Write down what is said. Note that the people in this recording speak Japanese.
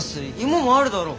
芋もあるだろ。